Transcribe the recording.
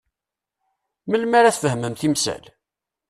Melmi ara tfehmem timsal?